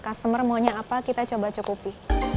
customer maunya apa kita coba cukupi